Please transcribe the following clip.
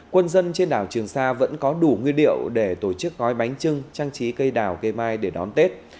quân dân trên đảo trường sa vẫn có đủ nguyên liệu để tổ chức gói bánh trưng trang trí cây đào cây mai để đón tết